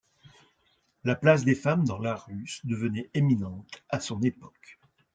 La place des femmes dans l'art russe devenait éminente à son époque.